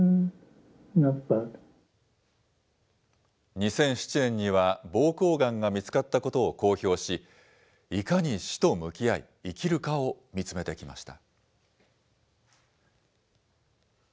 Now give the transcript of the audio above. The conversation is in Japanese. ２００７年にはぼうこうがんが見つかったことを公表し、いかに死と向き合い、生きるかを見つめてきました。